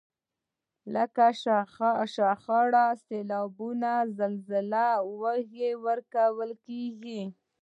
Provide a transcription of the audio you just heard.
لکه شخړو، سیلاب، زلزلې او ولږې کې ورکول کیږي.